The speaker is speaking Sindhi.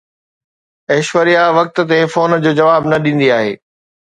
ايشوريا وقت تي فون جو جواب نه ڏيندي آهي